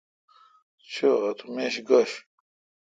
چو اتو میش گوش۔